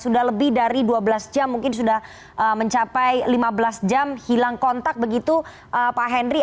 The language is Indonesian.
sudah lebih dari dua belas jam mungkin sudah mencapai lima belas jam hilang kontak begitu pak henry